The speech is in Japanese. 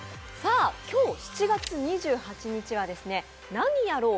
今日７月２８日は「何やろう？